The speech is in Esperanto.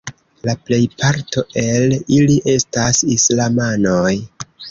La plejparto el ili estas islamanoj.